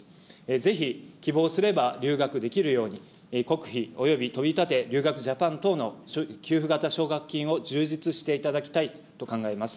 ぜひ希望すれば留学できるように、国費、およびトビタテ！留学ＪＡＰＡＮ等の給付型奨学金を充実していただきたいと考えます。